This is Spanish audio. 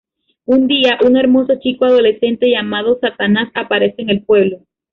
Un día, un hermoso chico adolescente llamado Satanás aparece en el pueblo.